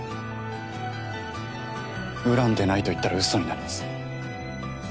恨んでないと言ったらうそになります。